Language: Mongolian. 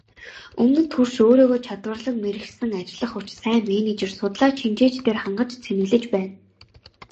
Өмнөд хөрш өөрийгөө чадварлаг мэргэшсэн ажиллах хүч, сайн менежер, судлаач, шинжээчдээр хангаж цэнэглэж байна.